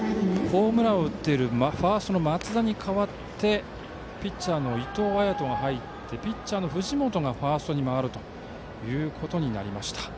ホームランを打ったファーストの松田に代わりピッチャーの伊藤彩斗が入ってピッチャーの藤本がファーストに回るということになりました。